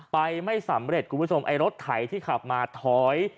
ไปไม่สำเร็จกรุงประสงค์ไอ้รถไถที่ขับมาท้อย